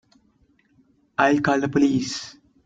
I'll call the police.